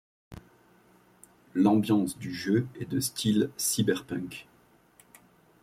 L'ambiance du jeu est de style cyberpunk.